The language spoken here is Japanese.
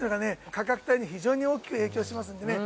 価格帯に非常に大きく影響しますんでね